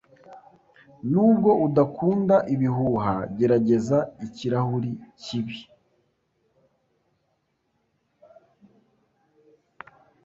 Nubwo udakunda ibihuha, gerageza ikirahuri cyibi.